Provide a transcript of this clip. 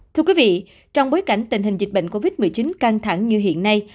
thưa quý vị trong bối cảnh tình hình dịch bệnh covid một mươi chín căng thẳng như hiện nay